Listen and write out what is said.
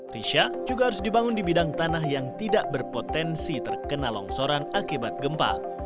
risha juga harus dibangun di bidang tanah yang tidak berpotensi terkena longsoran akibat gempa